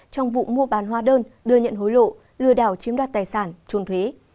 trong vụ mua bàn hoa đơn đưa nhận hối lộ lừa đảo chiếm đoạt tài sản trôn thuế